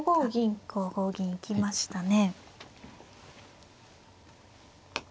あっ５五銀行きましたね。